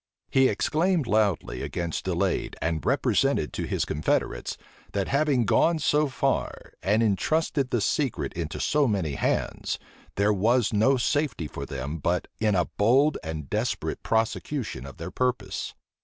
He exclaimed loudly against delay, and represented to his confederates, that having gone so far, and intrusted the secret into so many hands, there was no safety for them but in a bold and desperate prosecution of their purpose.